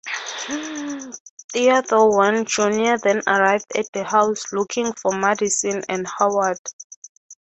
Theodore Wynn, Junior then arrived at the house, looking for Madison and Howard.